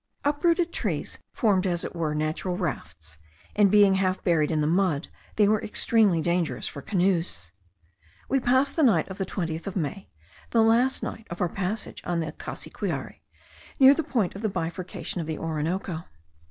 Uprooted trees formed as it were natural rafts; and being half buried in the mud, they were extremely dangerous for canoes. We passed the night of the 20th of May, the last of our passage on the Cassiquiare, near the point of the bifurcation of the Orinoco.